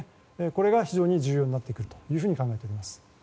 これが非常に重要になってくると考えております。